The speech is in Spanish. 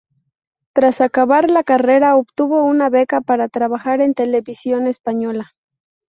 Tras acabar la carrera obtuvo una beca para trabajar en Televisión Española.